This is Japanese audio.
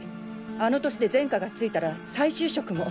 あの歳で前科がついたら再就職も。